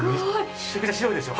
めちゃくちゃ白いでしょ。